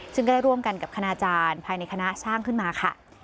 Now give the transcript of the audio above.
ซึ่งก็ได้ร่วมกันกับคณาจารย์ภายในคณะสร้างขึ้นมาค่ะ